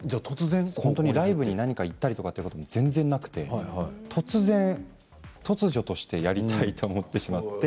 ライブに行ったことも全然なくて突然、突如としてやりたいと思ってしまって。